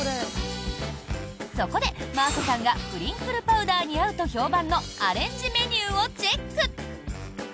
そこで、真麻さんがプリンクルパウダーに合うと評判のアレンジメニューをチェック！